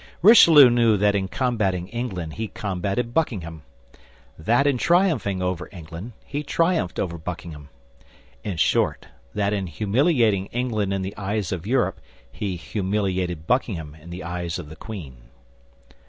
Richelieu knew that in combating England he combated Buckingham; that in triumphing over England he triumphed over Buckingham—in short, that in humiliating England in the eyes of Europe he humiliated Buckingham in the eyes of the queen.